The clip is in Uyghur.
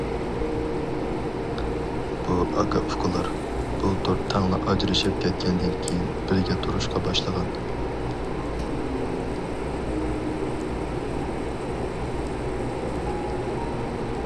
بۇ ئاكا- ئۇكىلار بۇلتۇر تەڭلا ئاجرىشىپ كەتكەندىن كېيىن بىرگە تۇرۇشقا باشلىغان.